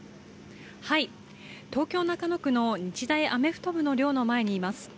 東京・中野区の日大アメフト部の寮の前にいます。